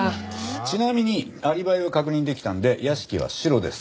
ちなみにアリバイが確認できたんで屋敷はシロです。